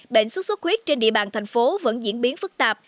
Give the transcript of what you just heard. bệnh xuất xuất huyết trên địa bàn thành phố vẫn diễn biến phức tạp